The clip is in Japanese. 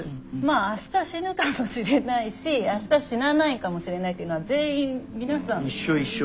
明日死ぬかもしれないし明日死なないかもしれないというのは全員皆さん一緒一緒。